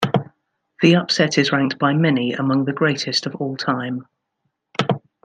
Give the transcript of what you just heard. The upset is ranked by many among the greatest of all time.